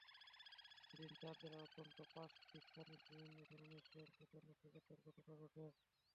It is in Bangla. এদিন চার জেলার অন্তত পাঁচটি স্থানে বিভিন্ন ধরনের সহিংসতা-নাশকতার ঘটনা ঘটে।